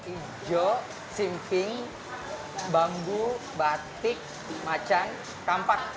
ijo simping bambu batik macang tampak